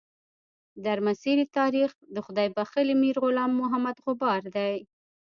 درمسیر تاریخ د خدای بخښلي میر غلام محمد غبار دی.